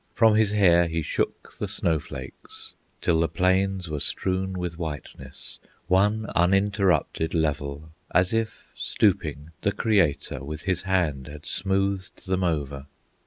From his hair he shook the snow flakes, Till the plains were strewn with whiteness, One uninterrupted level, As if, stooping, the Creator With his hand had smoothed them over.